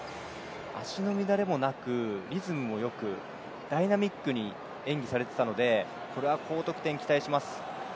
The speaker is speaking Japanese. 脚の乱れもなくリズムもよく、ダイナミックに演技されていたのでこれは高得点を期待します。